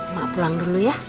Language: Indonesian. mak pulang dulu ya